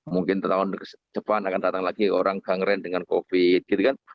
mungkin tahun depan akan datang lagi orang gangren dengan covid